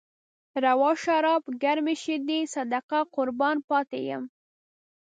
روا شراب، ګرمې شيدې، صدقه قربان پاتې يم